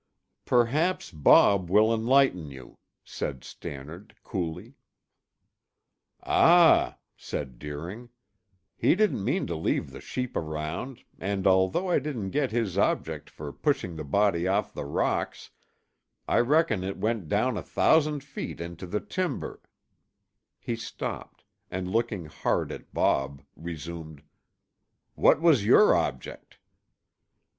"Perhaps Bob will enlighten you," said Stannard coolly. "Ah," said Deering, "he didn't mean to leave the sheep around, and although I didn't get his object for pushing the body off the rocks, I reckon it went down a thousand feet into the timber " He stopped and looking hard at Bob resumed: "What was your object?"